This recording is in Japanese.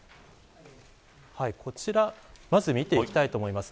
こちら、まず見ていきたいと思います。